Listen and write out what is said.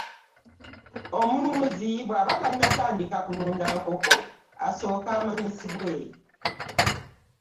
Omulunzi bw'aba tannatandika kulunda nkoko asooke amanyisibwe